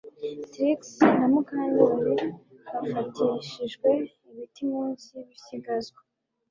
Trix na Mukandoli bafatishijwe ibiti munsi yibisigazwa